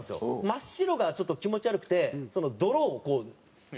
真っ白がちょっと気持ち悪くて泥をこう。